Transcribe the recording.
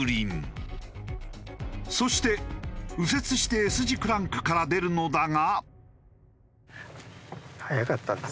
そして右折してＳ字クランクから出るのだが。